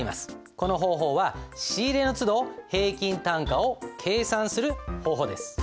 この方法は仕入れのつど平均単価を計算する方法です。